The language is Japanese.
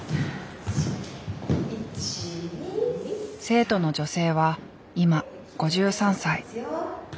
生徒の女性は今５３歳。